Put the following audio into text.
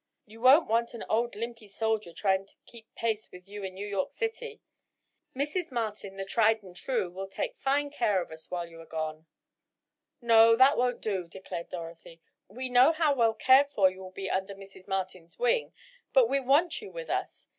"You won't want an old limpy soldier trying to keep pace with you in New York City. Mrs. Martin, the tried and true, will take fine care of us while you are gone." "No, that won't do," declared Dorothy, "we know how well cared for you will be under Mrs. Martin's wing, but we want you with us.